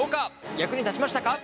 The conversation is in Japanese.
役に立ちましたか？